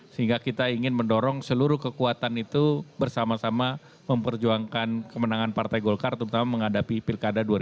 sehingga kita ingin mendorong seluruh kekuatan itu bersama sama memperjuangkan kemenangan partai golkar terutama menghadapi pilkada dua ribu dua puluh